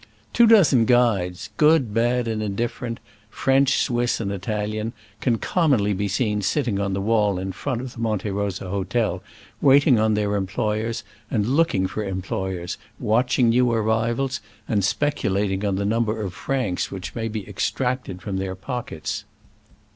Two dozen guides — good, bad and indifferent, French, Swiss and Italian — can commonly be seen sitting on the wall in front of the Monte Rosa hotel, waiting on their employers and looking for employers, watching new arrivals, and speculating on the number of francs which may be extracted from their pockets.